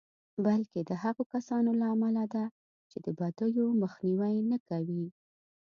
بلکې د هغو کسانو له امله ده چې د بدیو مخنیوی نه کوي.